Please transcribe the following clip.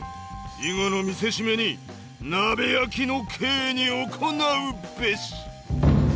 以後の見せしめに鍋焼きの刑に行うべし！」。